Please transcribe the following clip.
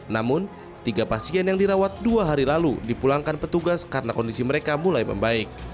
namun tiga pasien yang dirawat dua hari lalu dipulangkan petugas karena kondisi mereka mulai membaik